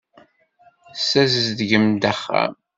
Tessazedgem-d axxam.